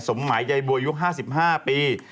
สมมัยยายบัวยุค๕๕ปี